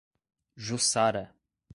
Jussara